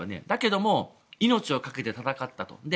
だけども命をかけて戦ったと。